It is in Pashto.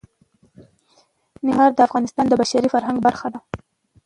ننګرهار د افغانستان د بشري فرهنګ برخه ده.